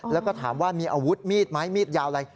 แล้วก็ถามว่ามีอาวุธมีดไหมมีดยาวอะไร